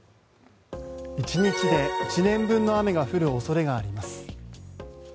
１日で１年分の雨が降る恐れがあります。